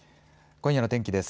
今夜の天気です。